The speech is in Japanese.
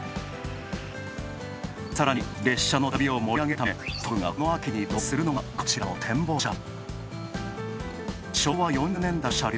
さらに列車の旅を盛り上げるため、東武がこの秋に導入するのがこちらの展望車。